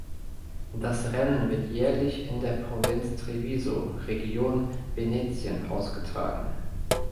Das Rennen wird jährlich in der Provinz Treviso (Region Venetien) ausgetragen.